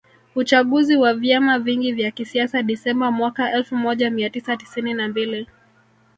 Uchaguzi wa vyama vingi vya kisiasa Desemba mwaka elfumoja miatisa tisini na mbili